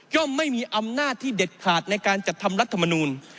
ไม่มีอำนาจที่เด็ดขาดในการจัดทำรัฐมนูล